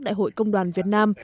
đại hội công đoàn việt nam